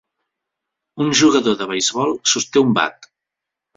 Un jugador de beisbol sosté un bat.